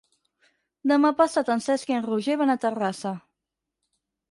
Demà passat en Cesc i en Roger van a Terrassa.